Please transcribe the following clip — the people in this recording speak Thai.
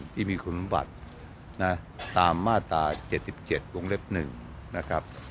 ที่มีคุณภาพนะตามมาตร๗๗วงเล็บหนึ่งนะครับ